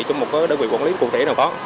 trong một đơn vị quản lý cụ thể nào có